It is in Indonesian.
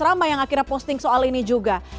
ramai yang akhirnya posting soal ini juga